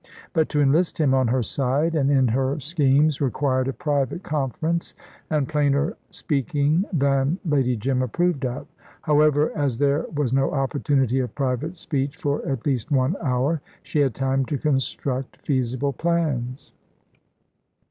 But to enlist him on her side, and in her schemes, required a private conference, and plainer speaking than Lady Jim approved of. However, as there was no opportunity of private speech for at least one hour, she had time to construct feasible plans.